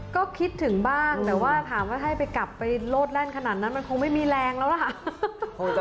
ก็คิดถึงบ้างแต่ว่าถามว่าถ้าให้ไปกลับไปโลดแล่นขนาดนั้นมันคงไม่มีแรงแล้วล่ะ